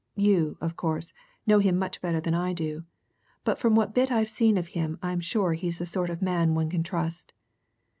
You, of course, know him much better than I do, but from what bit I've seen of him I'm sure he's the sort of man one can trust.